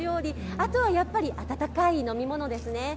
あとはやっぱり温かい飲み物ですね。